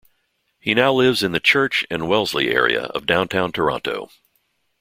He now lives in the Church and Wellesley area of downtown Toronto.